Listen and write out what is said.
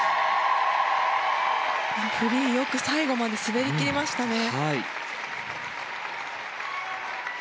フリーよく最後まで滑り切りましたね。